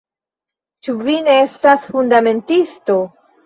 Ĉu vi ne estas fundamentisto?